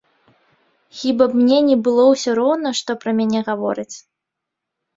Хіба б мне не было ўсё роўна, што пра мяне гавораць?